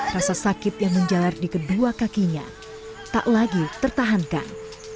rasa sakit yang menjalar di kedua kakinya tak lagi tertahankan